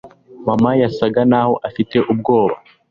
mama yasaga naho afite ubwoba